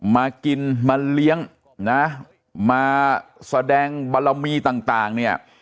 มากินมาเลี้ยงนะมาแสดงบารมีต่างเนี่ย